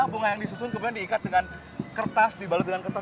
bunga yang disusun kemudian diikat dengan kertas dibalut dengan kertas